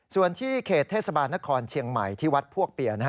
ส่วนที่เขตเทศบาลนครเชียงใหม่ที่วัดพวกเปีย